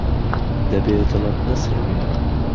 دهبێ دڵت نهسرەوێ